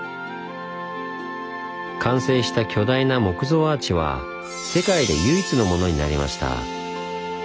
完成した巨大な木造アーチは世界で唯一のものになりました。